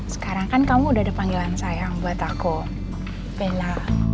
sekarang kan kamu udah ada panggilan sayang buat aku bella